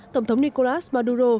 tổng thống nicolas maduro